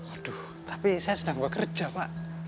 aduh tapi saya sedang bekerja pak